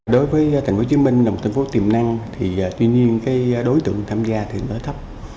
đối với tp hcm là một thành phố tiềm năng thì tuy nhiên cái đối tượng tham gia thì nó thấp